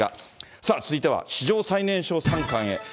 さあ、続いては史上最年少三冠へ。